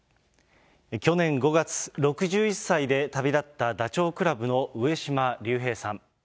去年５月、６１歳で旅立ったダチョウ倶楽部の上島竜兵さん。